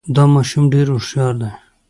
دا ماشوم ډېر هوښیار دی.